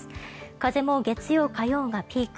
風も月曜、火曜がピーク。